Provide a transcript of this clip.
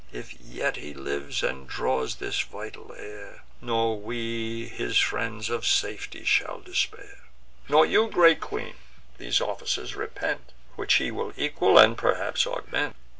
If yet he lives, and draws this vital air, Nor we, his friends, of safety shall despair; Nor you, great queen, these offices repent, Which he will equal, and perhaps augment.